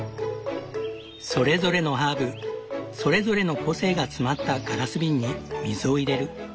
それぞれのハーブそれぞれの個性が詰まったガラス瓶に水を入れる。